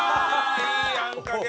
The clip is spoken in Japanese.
いいあんかけ！